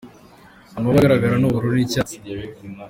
Amabara agaragara ni ubururu n’icyatsi.